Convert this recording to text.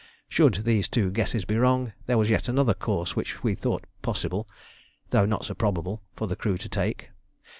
Should these two guesses be wrong, there was yet another course which we thought possible, though not so probable, for the crew to take.